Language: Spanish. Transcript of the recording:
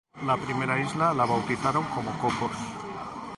La primera isla la bautizaron como Cocos.